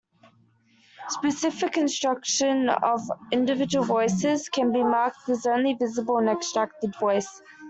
Specific instruction of individual voices can be marked as "only visible in extracted voice".